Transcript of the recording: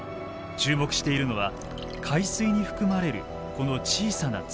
注目しているのは海水に含まれるこの小さな粒。